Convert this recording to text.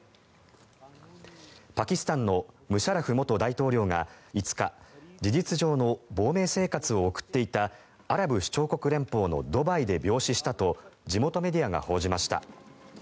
パキスタンのムシャラフ大統領が５日事実上の亡命生活を送っていたアラブ首長国連邦のドバイで病死したと地元メディアが報じました。